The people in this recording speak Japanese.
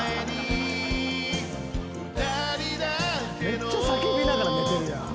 めっちゃ叫びながら寝てるやん。